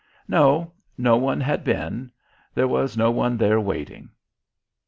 No, no one had been. There was no one there waiting.